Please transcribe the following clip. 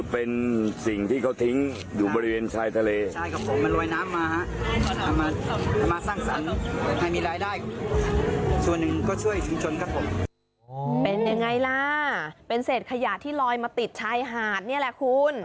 เป็นยังไงล่ะเป็นเศษขยะที่ลอยมาติดชายหาดนี่แหละคุณ